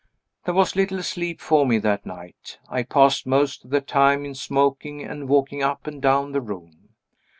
There was little sleep for me that night. I passed most of the time in smoking and walking up and down the room.